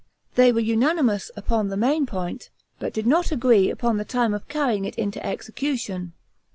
They were unanimous upon the main point, but did not agree upon the time of carrying it into execution.